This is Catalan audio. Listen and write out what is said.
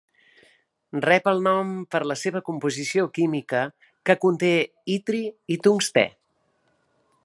Rep el nom per la seva composició química que conté itri i tungstè.